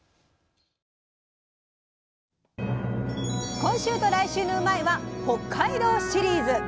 今週と来週の「うまいッ！」は北海道シリーズ！